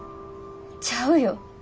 ちゃうよ。